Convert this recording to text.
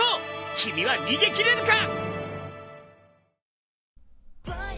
君は逃げ切れるか！？